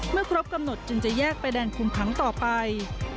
ครบกำหนดจึงจะแยกไปแดนคุมขังต่อไป